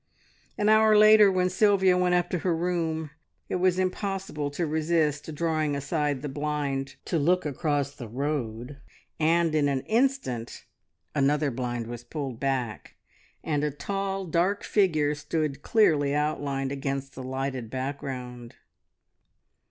An hour later, when Sylvia went up to her room, it was impossible to resist drawing aside the blind to look across the road, and in an instant, another blind was pulled back, and a tall dark figure stood clearly outlined against the lighted background.